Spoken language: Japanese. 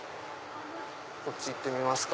こっち行ってみますか。